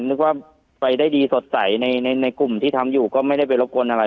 นึกว่าไปได้ดีสดใสในกลุ่มที่ทำอยู่ก็ไม่ได้ไปรบกวนอะไร